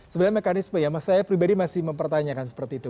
sebenarnya mekanisme ya saya pribadi masih mempertanyakan seperti itu